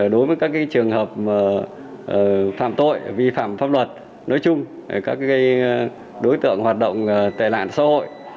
đối với các trường hợp phạm tội vi phạm pháp luật nói chung các đối tượng hoạt động tệ nạn xã hội